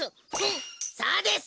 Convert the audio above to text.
そうです！